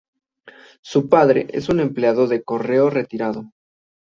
Su padre es un empleado de correo retirado.